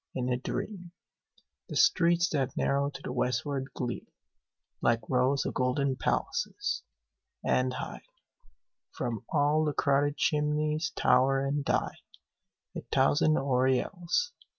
In a dream The streets that narrow to the westward gleam Like rows of golden palaces; and high From all the crowded chimneys tower and die A thousand aureoles.